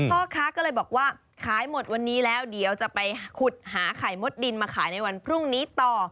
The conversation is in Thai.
พ่อค้าก็เลยบอกว่าขายหมดวันนี้แล้วเดี๋ยวจะไปขุดหาไข่มดดินมาขายในวันพรุ่งนี้ต่อ